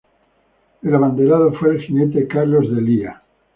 El abanderado fue el jinete Carlos D'Elía.